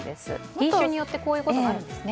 品種によってこういうことがあるんですね。